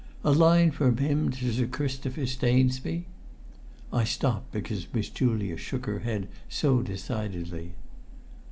"A line from him to Sir Christopher Stainsby " I stopped because Miss Julia shook her head so decidedly.